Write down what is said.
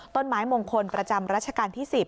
ต้นไม้มงคลประจำรัชกาลที่๑๐